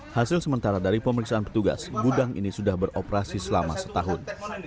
hasil sementara dari pemeriksaan petugas gudang ini sudah beroperasi selama setahun